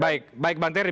baik baik bang terry